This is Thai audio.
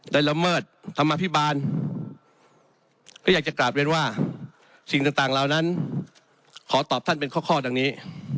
ละเมิดธรรมอภิบาลก็อยากจะกลับเรียนว่าสิ่งต่างเหล่านั้นขอตอบท่านเป็นข้อดังนี้